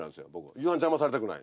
夕飯を邪魔されたくない。